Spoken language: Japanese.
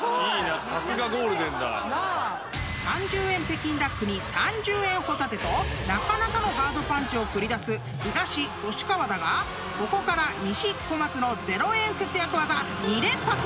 北京ダックに３０円ホタテとなかなかのハードパンチを繰り出す東星川だがここから西小松の０円節約技２連発だ！］